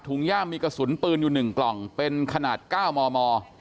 ย่ามมีกระสุนปืนอยู่๑กล่องเป็นขนาด๙มม